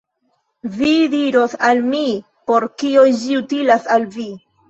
Vi diros al mi, por kio ĝi utilas al vi.